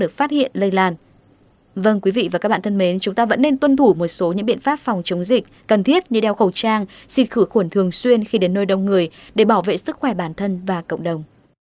chúng ta vẫn nên tuân thủ một số những biện pháp phòng chống dịch cần thiết như đeo khẩu trang xịt khử khuẩn thường xuyên khi đến nơi đông người để bảo vệ sức khỏe bản thân và cộng đồng